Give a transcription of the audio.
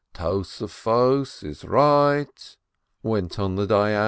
.. Tossafos is right ..." went on the Dayan.